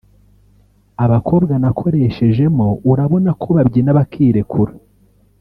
Abakobwa nakoreshejemo urabona ko babyina bakirekura